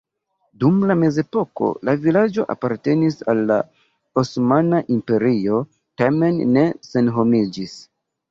Dum la mezepoko la vilaĝo apartenis al la Osmana Imperio, tamen ne senhomiĝis.